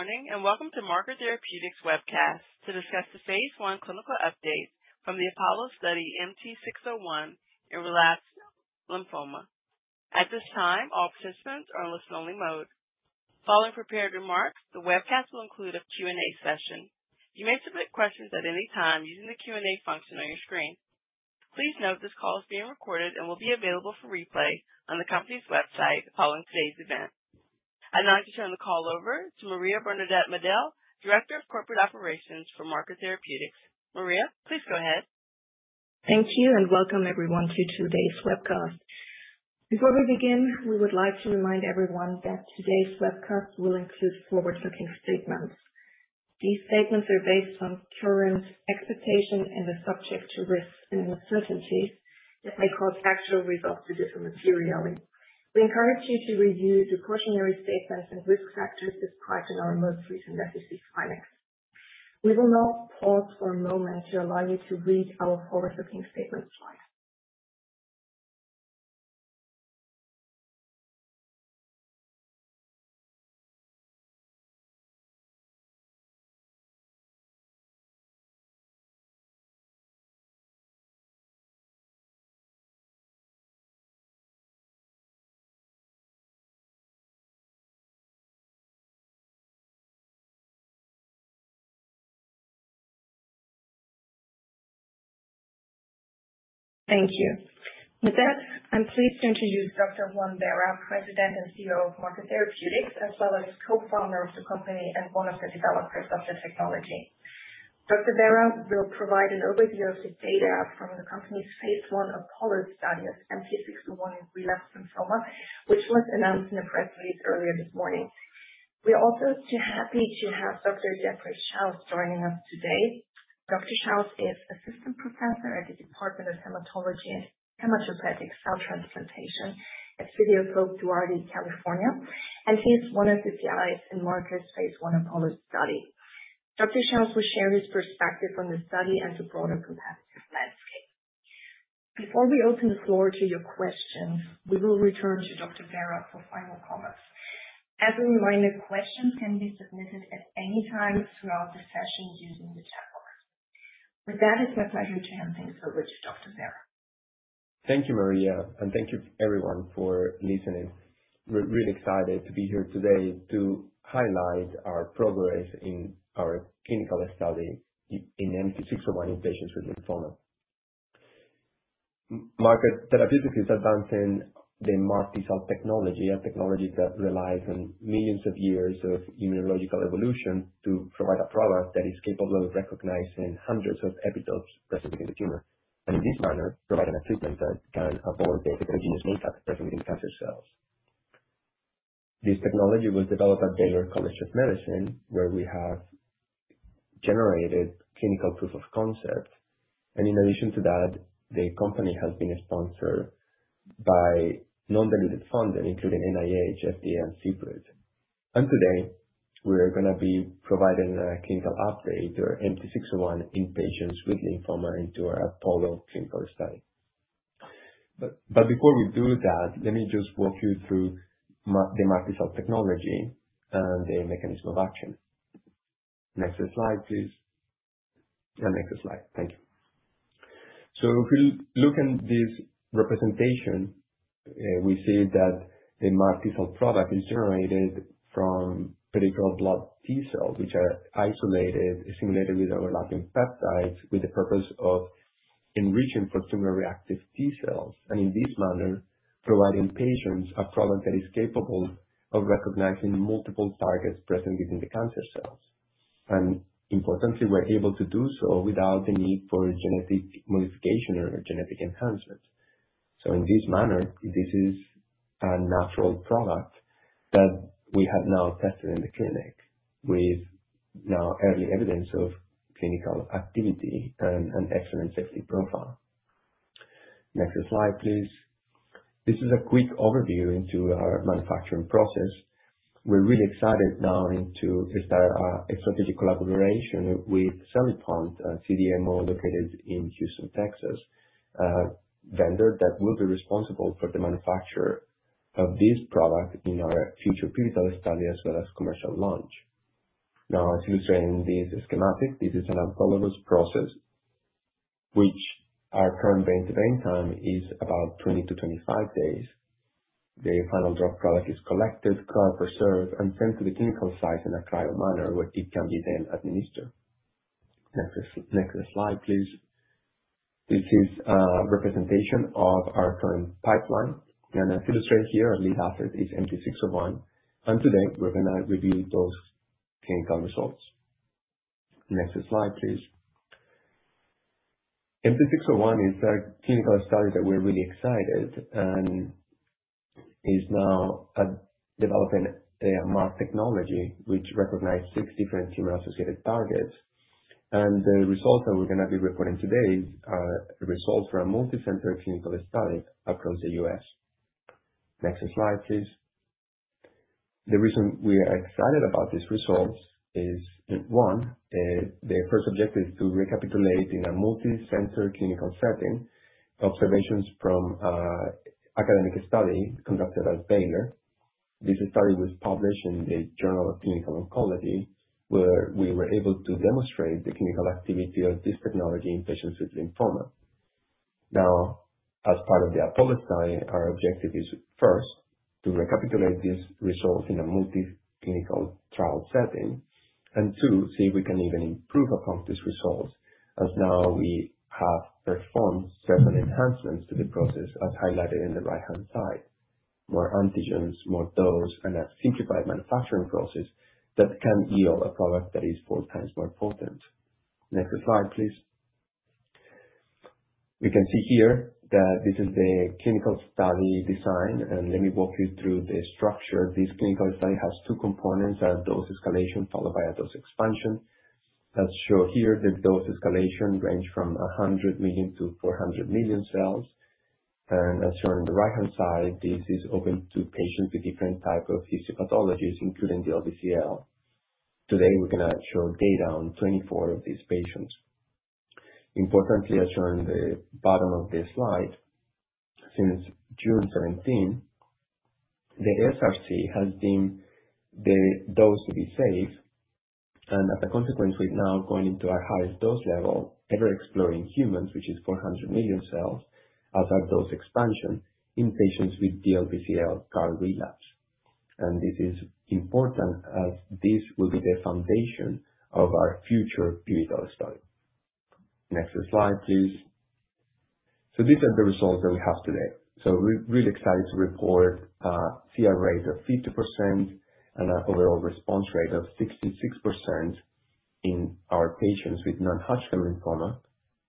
Good morning and welcome to Marker Therapeutics' Webcast to discuss the phase I clinical update from the APOLLO study MT-601 in relapsed lymphoma. At this time, all participants are in listen-only mode. Following prepared remarks, the webcast will include a Q&A session. You may submit questions at any time using the Q&A function on your screen. Please note this call is being recorded and will be available for replay on the company's website following today's event. I'd like to turn the call over to Maria-Bernadette Madel, Director of Corporate Operations for Marker Therapeutics. Maria, please go ahead. Thank you and welcome everyone to today's webcast. Before we begin, we would like to remind everyone that today's webcast will include forward-looking segments. These segments are based on current expectations and are subject to risks and uncertainties that may cause actual results to differ materially. We encourage you to review the cautionary statements and risk factors described in our most recent SEC filings. We will now pause for a moment to allow you to read our forward-looking statements. Thank you. With that, I'm pleased to introduce Dr. Juan Vera, President and CEO of Marker Therapeutics, as well as co-founder of the company and one of the developers of this technology. Dr. Vera will provide an overview of the data from the company's phase I APOLLO study of MT-601 in relapsed/refractory lymphoma, which was announced in the press release earlier this morning. We're also happy to have Dr. Geoffrey Shouse joining us today. Dr. Shouse his Assistant Professor at the Department of Hematology & Hematopoietic Cell Transplantation, City of Hope, Los Angeles County, California, and he is one of the PIs in Marker's phase I APOLLO study. Dr. Shouse will share his perspective on the study and the broader compassionate lens. Before we open the floor to your questions, we will return to Dr. Vera for final comments. As a reminder, questions can be submitted at any time throughout the session using the chat. With that, it's my pleasure to hand things over to Dr. Vera. Thank you, Maria, and thank you to everyone for listening. We're really excited to be here today to highlight our progress in our clinical study in MT-601 in patients with lymphoma. Marker Therapeutics is advancing the MART-T cell technology, a technology that relies on millions of years of immunological evolution to provide a product that is capable of recognizing hundreds of epitopes present in the tumor, and in this manner, providing a treatment that can avoid the efficacy of neoadjuvant medications present in cancer cells. This technology was developed at Baylor College of Medicine, where we have generated clinical proof of concept. In addition to that, the company has been sponsored by non-dilutive funding, including NIH, FDA, and CFRS. Today, we're going to be providing a clinical update to MT-601 in patients with lymphoma into our APOLLO clinical study. Before we do that, let me just walk you through the MART-T cell technology and the mechanism of action. Next slide, please. Next slide. Thank you. If we look at this representation, we see that the MART-T cell product is generated from particular blood T cells, which are isolated, stimulated with overlapping peptides, with the purpose of enriching for tumor-reactive T cells, and in this manner, providing patients a product that is capable of recognizing multiple targets present within the cancer cells. Importantly, we're able to do so without the need for genetic modification or genetic enhancement. In this manner, this is a natural product that we have now tested in the clinic with now having evidence of clinical activity and an excellent safety profile. Next slide, please. This is a quick overview into our manufacturing process. We're really excited now to start a strategic collaboration with Cellipont, a CDMO located in Houston, Texas, a vendor that will be responsible for the manufacture of this product in our future clinical study as well as commercial launch. As you see in this schematic, this is an autologous process, which our current base event time is about 20days-25 days. The final drug product is collected, preserved, and sent to the clinical site in a trial manner where it can be then administered. Next slide, please. This is a representation of our current pipeline. As illustrated here, our lead asset is MT-601. Today, we're going to review those clinical results. Next slide, please. MT-601 is a clinical study that we're really excited and is now developing a MAR technology, which recognizes six different tumor-associated targets. The results that we're going to be reporting today are results from a multicenter clinical study across the U.S. Next slide, please. The reason we are excited about these results is, one, the first objective is to recapitulate in a multicenter clinical setting observations from an academic study conducted at Baylor. This study was published in the Journal of Clinical Oncology, where we were able to demonstrate the clinical activity of this technology in patients with lymphoma. Now, as part of the APOLLO study, our objective is, first, to recapitulate these results in a multiclinical trial setting, and two, see if we can even improve upon these results, as now we have performed several enhancements to the process as highlighted in the right-hand side: more antigens, more dose, and a simplified manufacturing process that can yield a product that is four times more potent. Next slide, please. We can see here that this is the clinical study design. Let me walk you through the structure. This clinical study has two components: a dose escalation followed by a dose expansion. As shown here, the dose escalation ranged from 100 million-400 million cells. As shown in the right-hand side, this is open to patients with different types of histopathologies, including the DLBCL. Today, we're going to show data on 24 of these patients. Importantly, as shown in the bottom of this slide, since June 17, the SRC has deemed the dose to be safe. As a consequence, we're now going into our highest dose level ever explored in humans, which is 400 million cells, as our dose expansion in patients with DLBCL CAR relapse. This is important as this will be the foundation of our future clinical study. Next slide, please. These are the results that we have today. We're really excited to report a CR rate of 50% and an overall response rate of 66% in our patients with non-Hodgkin lymphoma,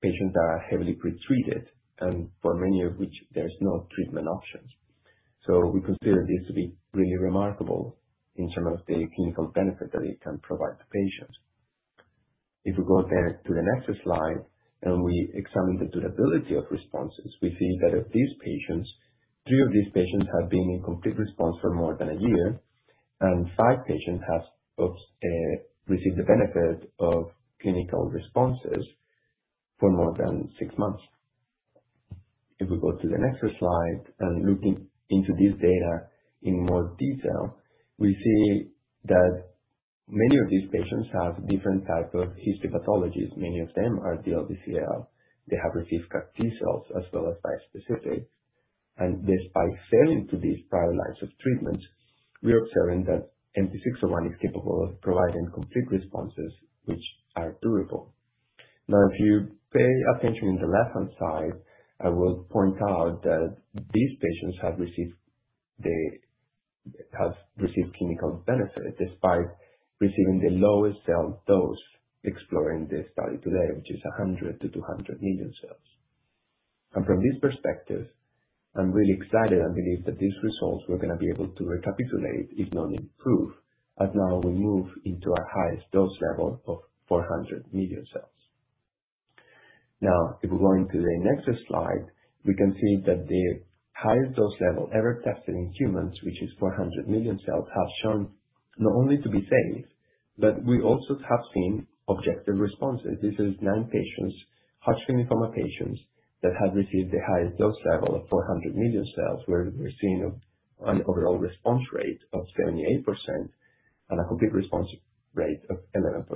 patients that are heavily pretreated, and for many of which there's no treatment options. We consider this to be really remarkable in terms of the clinical benefit that it can provide to patients. If we go there to the next slide, and we examine the durability of responses, we see that of these patients, three of these patients have been in complete response for more than a year, and five patients have received the benefit of clinical responses for more than six months. If we go to the next slide and look into this data in more detail, we see that many of these patients have different types of histopathologies. Many of them are DLBCL. They have received CAR T cells as well as bispecific. Despite failing to these prior lines of treatment, we're observing that MT-601 is capable of providing complete responses, which are durable. If you pay attention on the left-hand side, I will point out that these patients have received clinical benefit despite receiving the lowest cell dose explored in this study today, which is 100 million-200 million cells. From this perspective, I'm really excited and believe that these results we're going to be able to recapitulate if not improve, as now we move into our highest-dose level of 400 million cells. If we go into the next slide, we can see that the highest dose level ever tested in humans, which is 400 million cells, has shown not only to be safe, but we also have seen objective responses. These are nine patients, Hodgkin lymphoma patients, that have received the highest dose level of 400 million cells, where we're seeing an overall response rate of 78% and a complete response rate of 11%.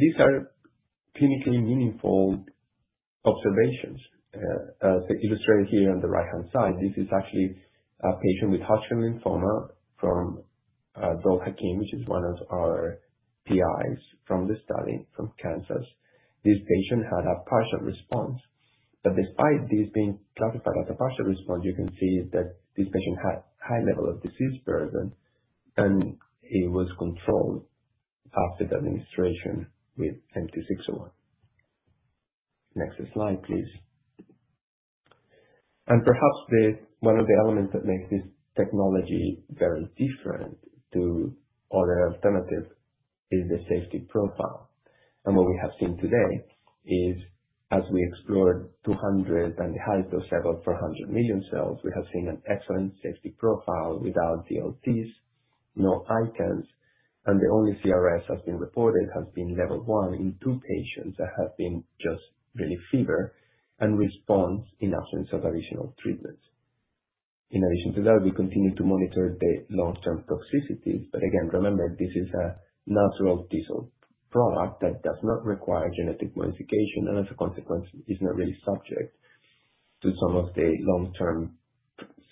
These are clinically meaningful observations. As illustrated here on the right-hand side, this is actually a patient with Hodgkin lymphoma from Abdul Hakim, which is one of our PIs from the study from Kansas. This patient had a partial response. Despite this being classified as a partial response, you can see that this patient had a high level of disease burden, and it was controlled after the administration with MT-601. Next slide, please. Perhaps one of the elements that makes this technology very different to other alternatives is the safety profile. What we have seen today is, as we explored 200 million and the highest dose level of 400 million cells, we have seen an excellent safety profile without dose-limiting toxicities, no antigens, and the only cytokine release syndrome that's been reported has been level 1 in two patients that have been just relief fever and response in absence of additional treatments. In addition to that, we continue to monitor the long-term toxicities. Again, remember, this is a natural T cell product that does not require genetic modification, and as a consequence, it's not really subject to some of the long-term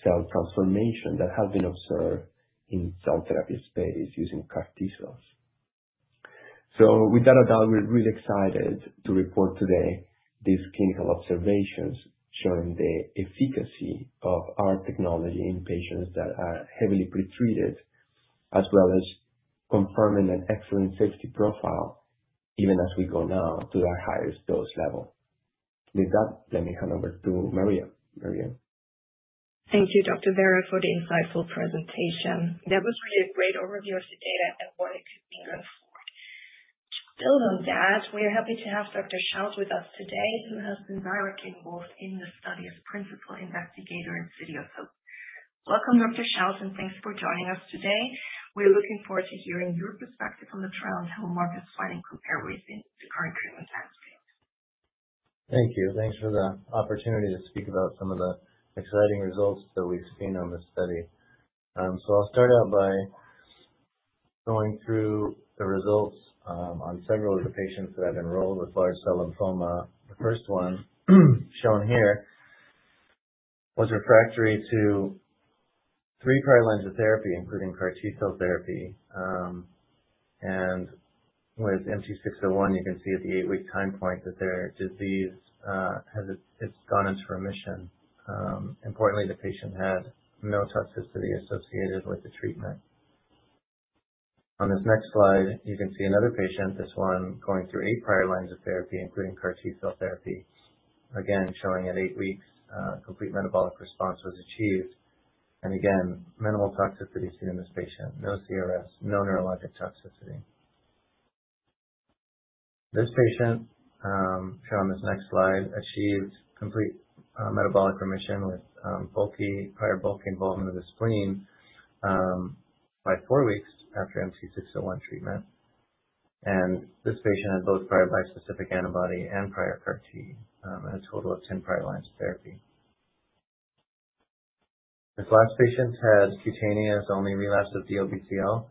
cell transformation that have been observed in the cell therapy space using CAR T cells. With that, we're really excited to report today these clinical observations showing the efficacy of our technology in patients that are heavily pretreated, as well as confirming an excellent safety profile even as we go now to our highest dose level. With that, let me hand over to Maria. Maria? Thank you, Dr. Vera, for the insightful presentation. That was really a great overview of the data I wanted to give you. We are happy to have Dr. Shouse with us today, who has been directly involved in the study as a Principal Investigator at City of Hope. Welcome, Dr. Shouse, and thanks for joining us today. We're looking forward to hearing your perspective on the trial and how Marker's findings compare with our clinical test. Thank you. Thanks for the opportunity to speak about some of the exciting results that we've seen on the study. I'll start out by going through the results on several of the patients that have enrolled with large cell lymphoma. The first one shown here was refractory to three prior lines of therapy, including CAR T cell therapy. With MT-601, you can see at the eight-week time point that their disease has gone into remission. Importantly, the patient had no toxicity associated with the treatment. On the next slide, you can see another patient, this one going through eight prior lines of therapy, including CAR T cell therapy. Again, showing at eight weeks, complete metabolic response was achieved. Again, minimal toxicity seen in this patient. No CRS, no neurologic toxicity. This patient, shown on this next slide, achieved complete metabolic remission with prior bulky involvement of the spleen by four weeks after MT-601 treatment. This patient had both prior bispecific antibody and prior CAR T, a total of 10 prior lines of therapy. This last patient had cutaneous-only relapse of DLBCL,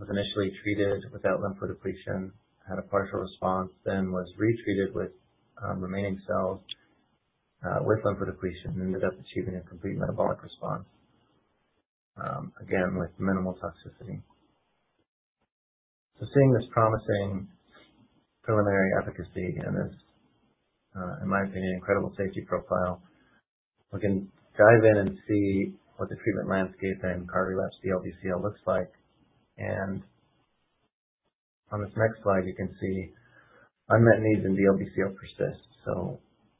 was initially treated without lymphoid depletion, had a partial response, then was retreated with remaining cells with lymphoid depletion, and ended up achieving a complete metabolic response, again, with minimal toxicity. Seeing this promising preliminary efficacy and this, in my opinion, incredible safety profile, we can dive in and see what the treatment landscape and CAR T relapse DLBCL looks like. On this next slide, you can see unmet needs in DLBCL persist.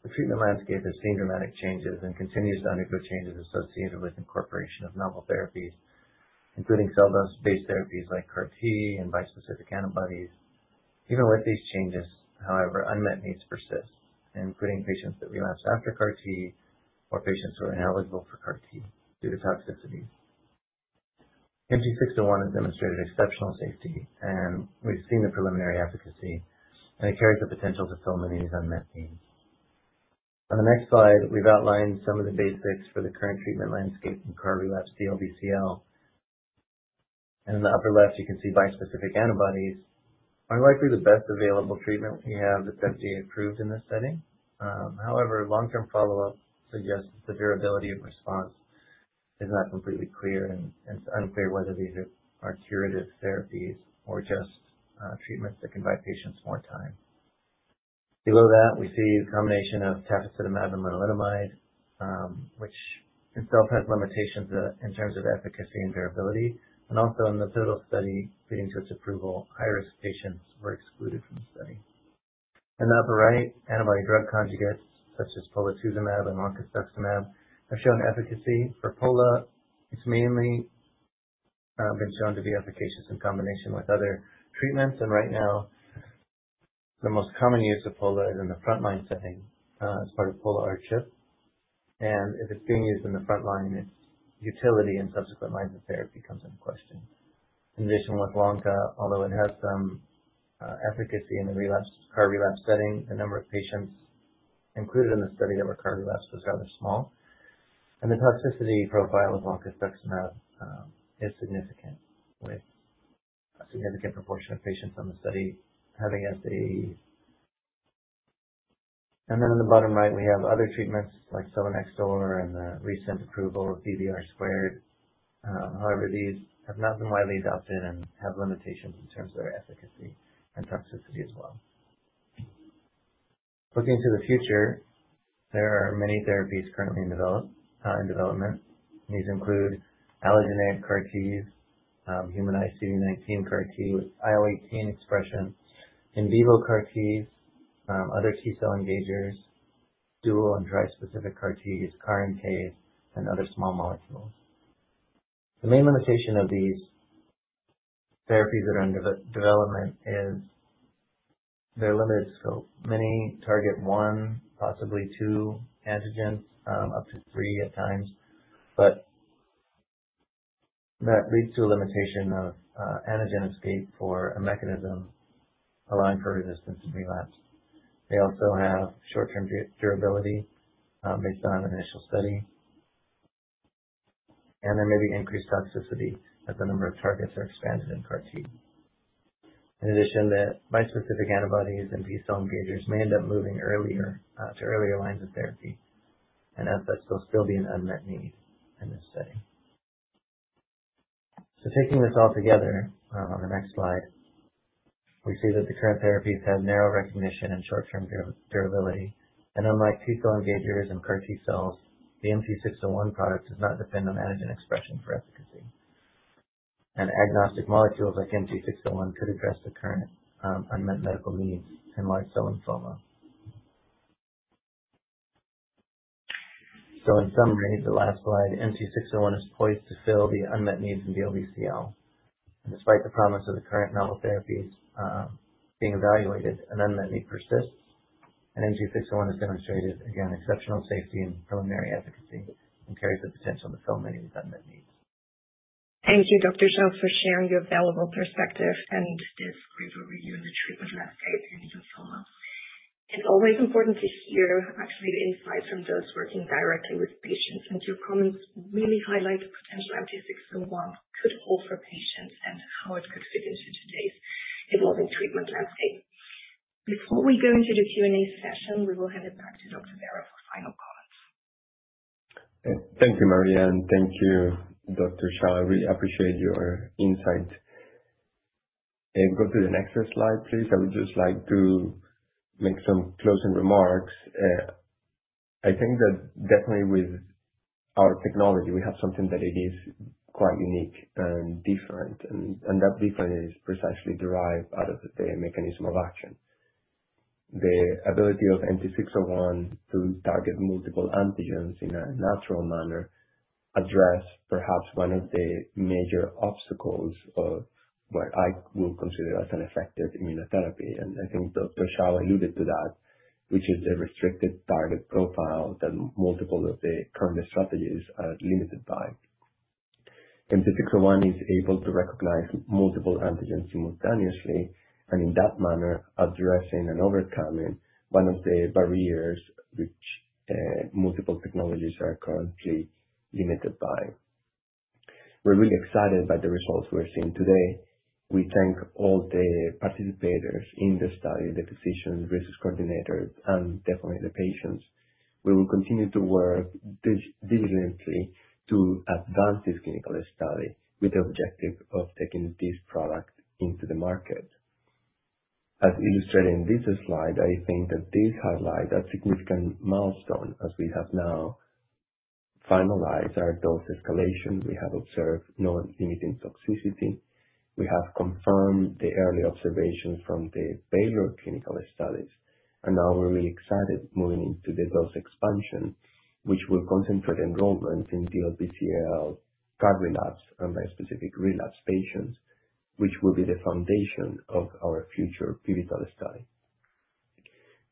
The treatment landscape has seen dramatic changes and continues to undergo changes associated with the incorporation of novel therapies, including cell-dose-based therapies like CAR T and bispecific antibodies. Even with these changes, however, unmet needs persist, including patients that relapse after CAR T or patients who are now eligible for CAR T due to toxicity. MT-601 has demonstrated exceptional safety, and we've seen the preliminary efficacy. It carries the potential to fill many of these unmet needs. On the next slide, we've outlined some of the basics for the current treatment landscape in CAR T relapse DLBCL. In the upper left, you can see bispecific antibodies are likely the best available treatment we have that's FDA approved in this setting. However, long-term follow-up suggests that the durability of response is not completely clear, and it's unclear whether these are curative therapies or just treatments that can buy patients more time. Below that, we see a combination of tafasitamab and lenalidomide, which itself has limitations in terms of efficacy and durability. Also, in the total study leading to its approval, high-risk patients were excluded from the study. In the upper right, antibody drug conjugates, such as polatuzumab and loncastuximab, have shown efficacy. For Pola, it's mainly been found to be efficacious in combination with other treatments. Right now, the most common use of Pola is in the frontline setting as part of Pola-R-CHP. If it's being used in the frontline, its utility in subsequent lines of therapy comes into question. In addition, with loncastuximab, although it has some efficacy in the CAR T relapse setting, the number of patients included in the study that were CAR T relapsed was rather small. The toxicity profile of loncastuximab is significant, with a significant proportion of patients on the study having edema. In the bottom right, we have other treatments like selinexor and the recent approval of tafasitamab. However, these have not been widely adopted and have limitations in terms of their efficacy and toxicity as well. Looking to the future, there are many therapies currently in development. These include allogeneic CAR Ts, humanized CD19 CAR T with IL-18 expression, in vivo CAR Ts, other T cell engagers, dual and tri-specific CAR Ts, CAR NKs, and other small molecules. The main limitation of these therapies that are under development is they're limited. Many target one, possibly two antigens, up to three at times. That leads to a limitation of antigen escape for a mechanism allowing for resistance to relapse. They also have short-term durability based on an initial study. There may be increased toxicity as the number of targets are expanded in CAR T. In addition, the bispecific antibodies and B-cell engagers may end up moving to earlier lines of therapy. That's still an unmet need in this study. Taking this all together, on the next slide, we see that the current therapies have narrow recognition and short-term durability. Unlike T cell engagers and CAR T cells, the MT-601 products do not depend on antigen expression for efficacy. Agnostic molecules like MT-601 could address the current unmet medical needs in large cell lymphoma. In summary, the last slide, MT-601 is poised to fill the unmet needs in DLBCL. Despite the promise of the current novel therapies being evaluated, an unmet need persists. MT-601 has demonstrated, again, exceptional safety and preliminary efficacy and carries the potential to fill many unmet needs. Thank you, Dr. Shouse, for sharing your valuable perspective. This is a super nice statement as well. It's always important to hear the insights from those working directly with patients. Your comments really highlight the potential of MT-601 for both the patients and how it could be developing treatment directly. Before we go into the Q&A session, we will hand it back to Dr. Vera for final comments. Thank you, Maria. Thank you, Dr. Shouse. I really appreciate your insights. Go to the next slide, please. I would just like to make some closing remarks. I think that definitely with our technology, we have something that is quite unique and different. That difference is precisely derived out of the mechanism of action. The ability of MT-601 to target multiple antigens in a natural manner addresses perhaps one of the major obstacles of what I will consider as an effective immunotherapy. I think Dr. Shouse alluded to that, which is a restricted target profile that multiple of the current strategies are limited by. MT-601 is able to recognize multiple antigens simultaneously, and in that manner, addressing and overcoming one of the barriers which multiple technologies are currently limited by. We're really excited by the results we're seeing today. We thank all the participators in the study, the physicians, research coordinators, and definitely the patients. We will continue to work diligently to advance this clinical study with the objective of taking this product into the market. As illustrated in this slide, I think that this highlights a significant milestone as we have now finalized our dose escalation. We have observed no dose-limiting toxicities. We have confirmed the early observations from the Baylor College of Medicine clinical studies. Now we're really excited moving into the dose expansion, which will concentrate enrollments in DLBCL CAR T cell therapy relapse and bispecific antibody therapies relapse patients, which will be the foundation of our future pivotal study.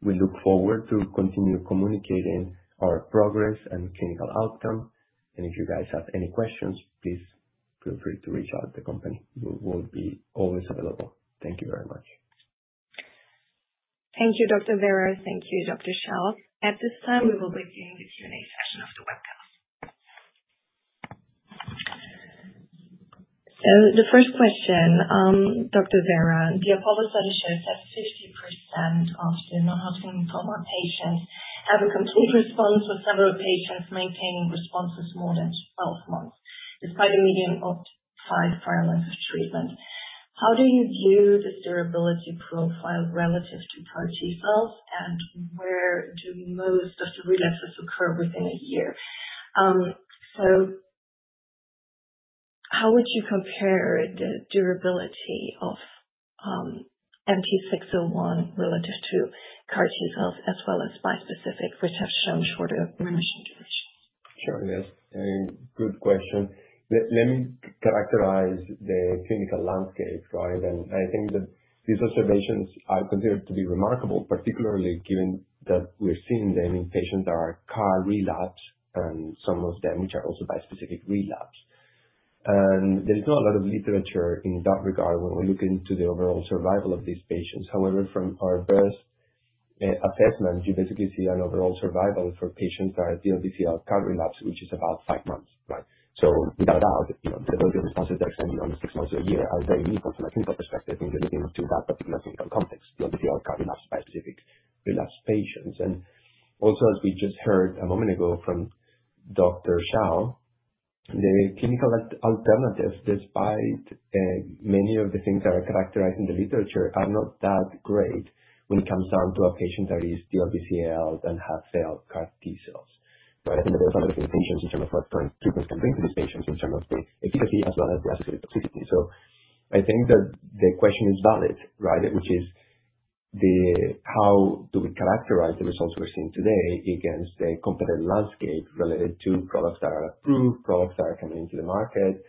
We look forward to continue communicating our progress and clinical outcome. If you guys have any questions, please feel free to reach out to the company. We'll be always available. Thank you very much. Thank you, Dr. Vera. Thank you, Dr. Shouse. At this time, we will begin the Q&A session of the week. The first question, Dr. Vera, the APOLLO study says that 60% of the non-Hodgkin lymphoma patients have a complete response for several occasions, maintaining response for more than 12 months, despite a median of CAR T far less than 3 months. How do you view this durability profile relative to CAR T cells? Where do most of the relapses occur within a year? How would you compare the durability of MT-601 relative to CAR T cells as well as bispecific reception and shorter remission dates? Sure. Yes. Good question. Let me characterize the clinical landscape, right? I think that these observations are considered to be remarkable, particularly given that we're seeing them in patients that are CAR T relapsed and some of them, which are also bispecific relapsed. There's not a lot of literature in that regard when we look into the overall survival of these patients. However, from our best assessment, you basically see an overall survival for patients that are DLBCL CAR T relapsed, which is about five months, right? Without a doubt, the longer response is less than six months to a year. That's very reasonable from a clinical perspective. I think anything too bad doesn't happen in that context. Not all CAR T relapsed bispecific relapsed patients. Also, as we just heard a moment ago from Dr. Shouse, the clinical alternatives, despite many of the things that are characterized in the literature, are not that great when it comes down to a patient that is DLBCL and has failed CAR T cells, right? I think those are the biggest issues in terms of what kind of treatments can bring to these patients in terms of the efficacy as well as the risk of toxicity. I think that the question is valid, right? Which is, how do we characterize the results we're seeing today against the competitive landscape related to products that are approved, products that are coming into the market,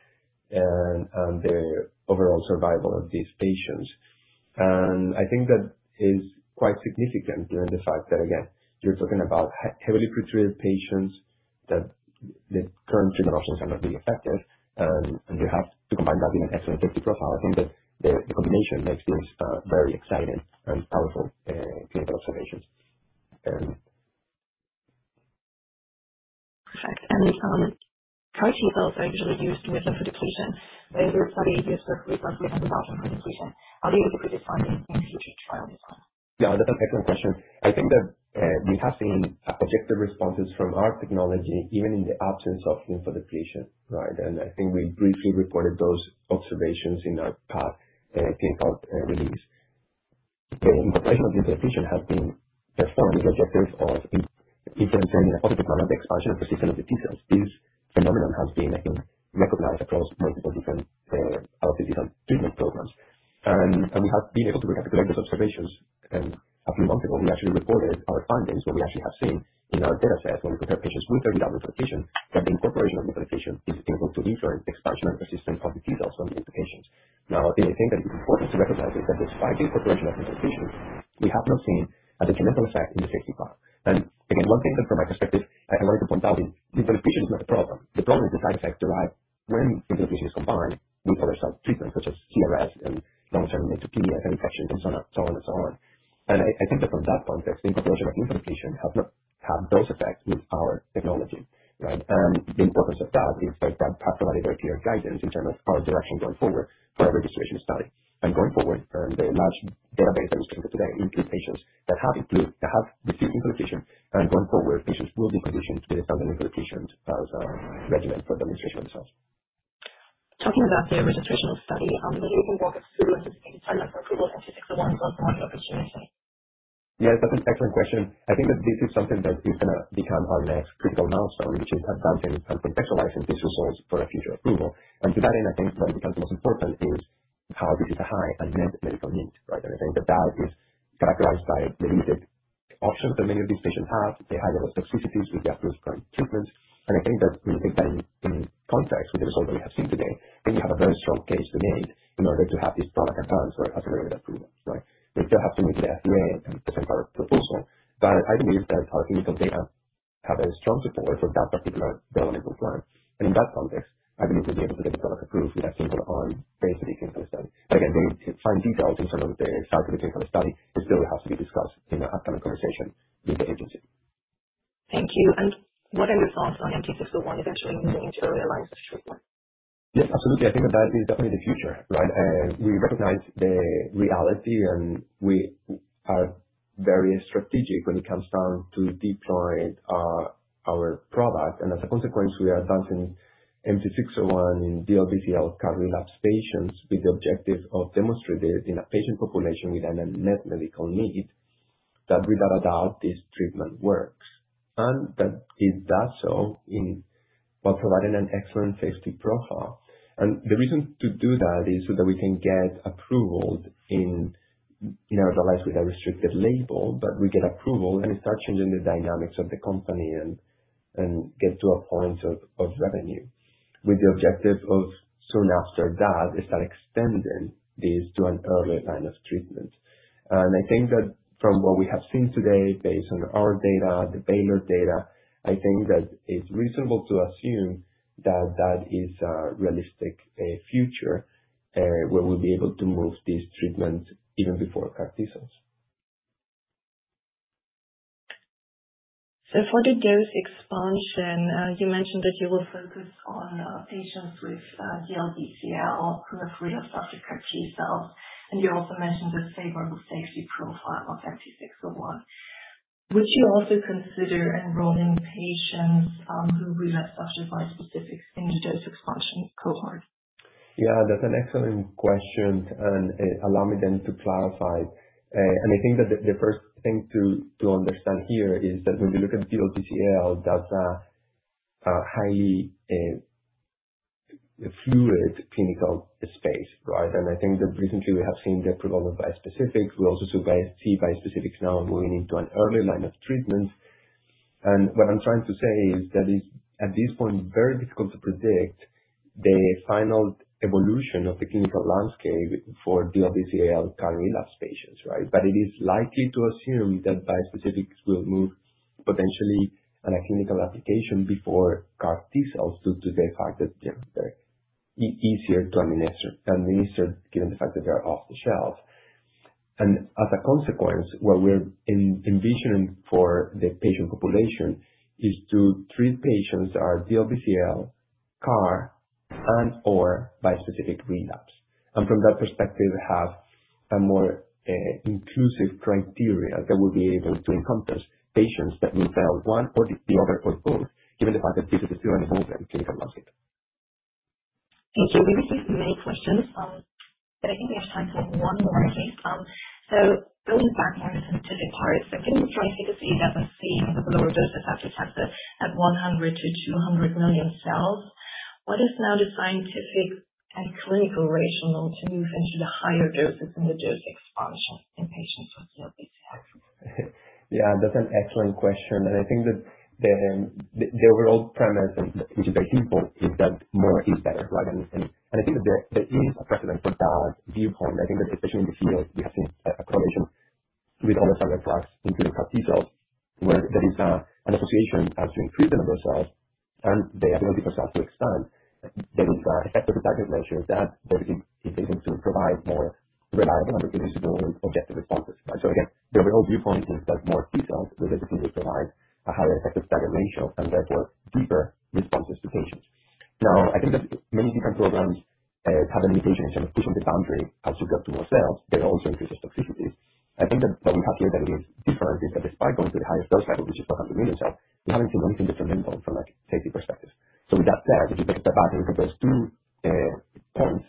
and the overall survival of these patients? I think that is quite significant given the fact that, again, you're talking about heavily pretreated patients that the current treatment options are not really effective. You have to combine that in an excellent safety profile. I think that the combination makes this a very exciting and powerful clinical observation. With CAR T cells and reduced neutrophil depletion, is there a study to discuss results on neutrophil depletion? I'll include the final MDT trial results. Yeah, that's an excellent question. I think that we have seen objective responses from our technology, even in the absence of neutrophil depletion, right? I think we briefly reported those observations in our past clinical release. I think the implications have been profound because of the proof of inferential neuropathic expansion of CCLP T cells. This phenomenon has been, I think, recognized across multiple different treatment programs. We have been able to recapitulate those observations. A few months ago, we actually reported our findings that we actually have seen an expansion of resistant CAR T cells from implication. Now, anything that you could hope to reconcile with what was fighting for breaking up neutrophil depletion, we have not seen a detrimental effect in the safety profile. One thing that from my perspective, I wanted to point out is neutrophil depletion is not the problem. The problem is the side effects derived when neutrophil depletion is combined with other cells treatment, such as cytokine release syndrome and long-term neutropenia, heavy pressure, and so on and so on. I think that from that context, neutrophil depletion has not had those effects in our technology, right? The importance of that is that that provided a clear guidance in terms of our direction going forward for our registration study. Going forward, the large database that we're seeing today in patients that have neutrophil depletion and going forward, patients' global conditions. Based on the neutrophil depletion as a regimen for the administration of the cells. How can we document the registration study? Yes, that's an excellent question. I think that this is something that is going to become our next critical milestone, which is advancing something specialized and safe to hold for a future approval. To that end, I think what's most important is how this is a high unmet medical need, right? I think that is characterized by the limited options that many of these patients have. They have a lot of toxicities. They have no strong treatments. I think that when you take that in context with the result that we have seen today, you have a very strong case to make in order to have this product advanced for a federated approval, right? We still have to meet the FDA and the comparable protocol. I believe that our clinical data have a very strong support for that particular clinical requirement. In that context, I believe it is able to get the product approved with a single arm based on the clinical study. Again, being able to find details in terms of the site of the clinical study still has to be discussed in the upcoming conversation with the agency. Thank you. What are the thoughts on MT-601's experience with the HIV relapse? Yes, absolutely. I think that that is definitely the future, right? We recognize the reality, and we are very strategic when it comes down to deploying our product. As a consequence, we are advancing MT-601 DLBCL CAR T relapse patients with the objective of demonstrating in a patient population with an unmet medical need that without a doubt, this treatment works. It does so in providing an excellent safety profile. The reason to do that is so that we can get approval in, you know, otherwise we have a restricted label, but we get approval and start changing the dynamics of the company and get to a point of revenue. The objective soon after that is extending this to an earlier line of treatment. I think that from what we have seen today, based on our data, the Baylor data, I think that it's reasonable to assume that that is a realistic future where we'll be able to move these treatments even before CAR T cells. For the dose expansion, you mentioned that you will focus on patients with DLBCL who have relapsed after CAR T cells. You also mentioned the favorable safety profile of MT-601. Would you also consider enrolling patients who relapsed after CAR specifics in the dose expansion cohort? Yeah, that's an excellent question. Allow me then to clarify. I think that the first thing to understand here is that when we look at DLBCL, that's a highly fluid clinical space, right? I think that recently we have seen the approval of bispecifics. We also see bispecifics now moving into an early line of treatment. What I'm trying to say is that it is at this point very difficult to predict the final evolution of the clinical landscape for DLBCL CAR T relapse patients, right? It is likely to assume that bispecifics will move potentially in a clinical application before CAR T cells due to the fact that they're easier to administer, given the fact that they're off the shelf. As a consequence, what we're envisioning for the patient population is to treat patients that are DLBCL CAR and/or bispecific relapse. From that perspective, have a more inclusive criteria that will be able to encompass patients that need one or the other or both, given the fact that this is still an uneven clinical landscape. Thank you. We received many questions. I think we have time for one more case. Going back, I understand it's a bit hard. Thinking from a Q2C, you've ever seen the reverse effect effective at 100 million-200 million cells. What is now the scientific and clinical rationale to move into the higher doses and the dose expansion in patients with DLBCL? Yeah, that's an excellent question. I think that the overall premise and the things you've been seeing both is that more is better, right? I think that there is a practical viewpoint. I think that especially in the field, we have seen a combination of three novel cell refracts, including CAR T cells, where there is an appropriation of both treatment of those cells. They do not need for cells to expand. There is an effective measure that they're able to provide more reliable and more objective responses, right? Again, the overall viewpoint is that more T cells will definitely provide a higher effective target ratio and therefore deeper responses to patients. I think that many different programs have an indication in terms of pushing the boundary as you go to more cells. They also increase toxicity. I think that the impact here that we've observed is that despite going to the... If I could step back and look at those two terms,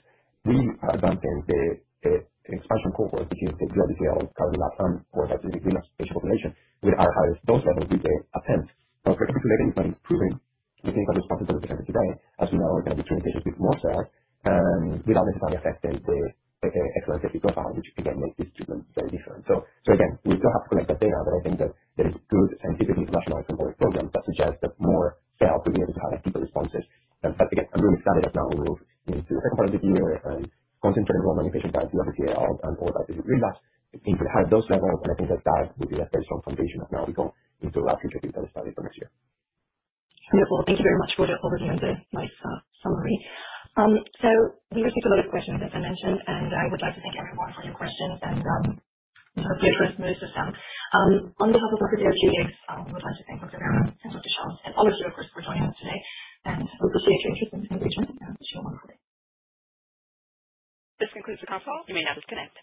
we have advanced in the spike from cohort in both diffuse large B-cell lymphoma (DLBCL) CAR T relapse and for bispecific relapse patient population with our highest dose level using attempts. If we're incrementing this by improving, we think that it's possible that we can develop as we know that we've implemented a bit more cells. We don't necessarily affect them with an excellent safety profile, which again makes this treatment very different. Again, we still have to collect that data, but I think that there is good scientific... If you look at part of the DRFN, concentrate on any patient that has DLBCL and/or bispecific relapse, if we had those levels, I think that that would be a very strong foundation of where we're going into the last clinical study for this year. Thank you very much for your overview and very nice summary. We received a lot of questions, as I mentioned. I would like to thank everyone for the questions that you've given to us. I wanted to have a look at and see if... This concludes protocol. May I? Yes. Thank you.